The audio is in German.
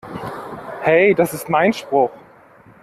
Hey, das ist mein Spruch!